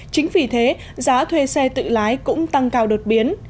chính vì thế giá thuê xe tự lái cũng tăng cao đột biến